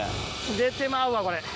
出てまうわこれ。